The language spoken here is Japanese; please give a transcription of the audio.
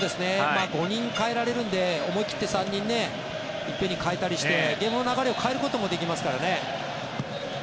５人代えられるので思い切って３人を一遍に代えたりしてゲームの流れを変えることもできますからね。